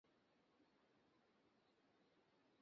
তিনি তার স্বামী, পুত্র ও কন্যাদের নিয়ে আরাকানে পালিয়ে যান।